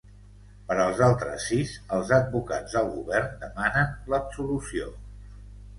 Per als altres sis els advocats del govern demanen l’absolució.